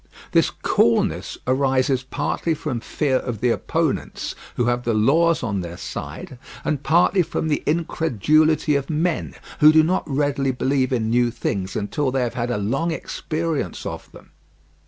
This coolness arises partly from fear of the opponents, who have the laws on their side, and partly from the incredulity of men, who do not readily believe in new things until they have had a long experience of them.